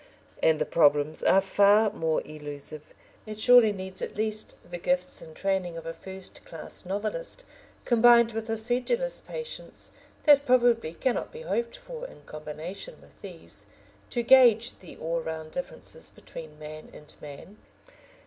And the problems are far more elusive. It surely needs at least the gifts and training of a first class novelist, combined with a sedulous patience that probably cannot be hoped for in combination with these, to gauge the all round differences between man and man.